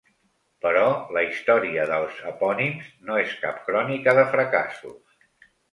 Però la història dels epònims no és cap crònica de fracassos.